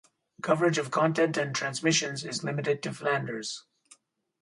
Coverage of content and transmissions is limited to Flanders.